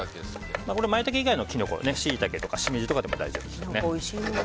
マイタケ以外のキノコはシイタケとかシメジでも大丈夫です。